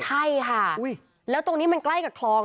ใช่ค่ะแล้วตรงนี้มันใกล้กับคลอง